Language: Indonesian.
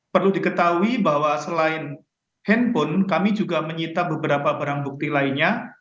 perlu diketahui bahwa selain handphone kami juga menyita beberapa barang bukti lainnya